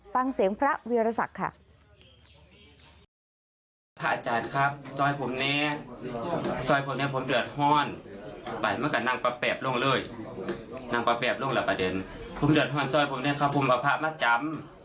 ฟังเสียงพระเวียรศักดิ์ค่ะ